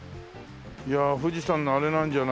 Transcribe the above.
富士山のあれなんじゃない？